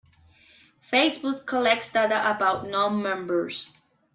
Facebook collects data about non-members.